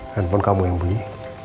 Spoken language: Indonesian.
handphone kamu yang beli